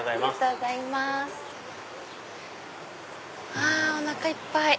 はぁおなかいっぱい！